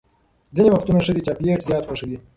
ځینې وختونه ښځې چاکلیټ زیات خوښوي.